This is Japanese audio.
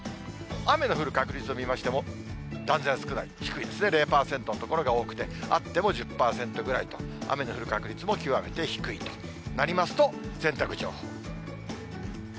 雨の降る確率を見ましても、断然少ない、低いですね、０％の所が多くて、あっても１０％ぐらいと、雨の降る確率も極めて低いとなりますと、洗濯情報。